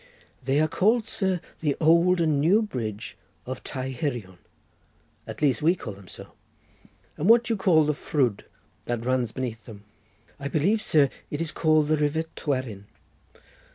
"They are called, sir, the old and new bridge of Tai Hirion; at least we call them so." "And what do you call the ffrwd that runs beneath them?" "I believe, sir, it is called the river Twerin."